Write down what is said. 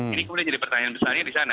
ini kemudian jadi pertanyaan besarnya di sana